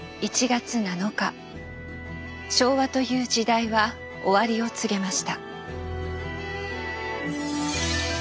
昭和という時代は終わりを告げました。